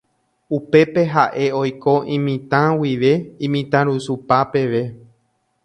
Upépe ha'e oiko imitã guive imitãrusupa peve.